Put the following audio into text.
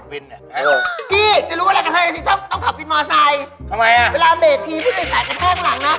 เวลาเบรกทีพี่หน่อยใส่กระแทกข้างหลังนะ